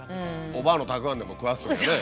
おばあのたくあんでも食わすとかね。